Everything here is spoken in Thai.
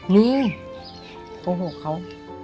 มีโอ้โหเขา